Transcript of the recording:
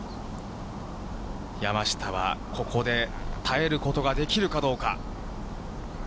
山下はここで耐えることができるかどうか。